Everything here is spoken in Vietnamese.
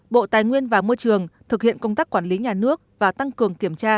bộ tài nguyên và môi trường thực hiện công tác quản lý nhà nước và tăng cường kiểm tra